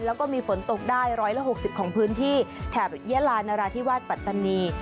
แล้วก็มีฝนตกได้๑๖๐ของพื้นที่แถบยาลานราธิวาสปัตตานี